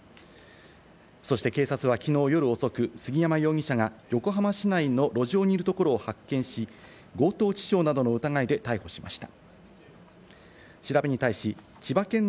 そして警察はきのう夜遅く、杉山容疑者が横浜市内の路上にいるところを発見し、強盗致傷などの疑いで逮捕しました。